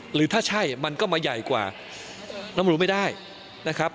หรือถ้าใช่มันก็มาใหญ่กว่าน้ำรู้ไม่ได้นะครับ